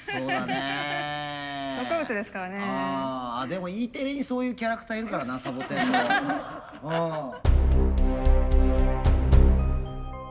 でもＥテレにそういうキャラクターいるからなサボテンのうん。